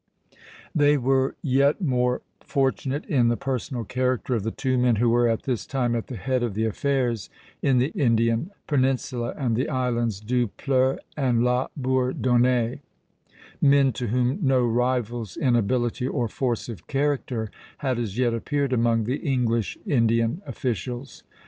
They were yet more fortunate in the personal character of the two men who were at this time at the head of their affairs in the Indian peninsula and the islands, Dupleix and La Bourdonnais, men to whom no rivals in ability or force of character had as yet appeared among the English Indian officials.